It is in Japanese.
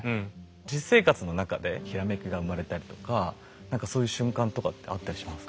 実生活の中で閃きが生まれたりとか何かそういう瞬間とかってあったりします？